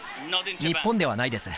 日本ではないです。